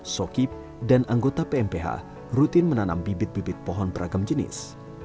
sokip dan anggota pmph rutin menanam bibit bibit pohon beragam jenis